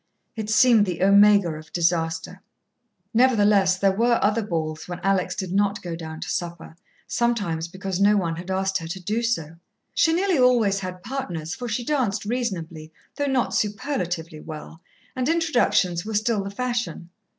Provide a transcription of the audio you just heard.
It seemed the omega of disaster. Nevertheless, there were other balls when Alex did not go down to supper, sometimes because no one had asked her to do so. She nearly always had partners, for she danced reasonably, though not superlatively, well, and introductions were still the fashion.